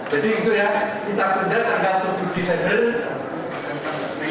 jadi itu ya kita kerja tanggal tujuh desember